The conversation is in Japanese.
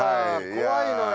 怖いのよ。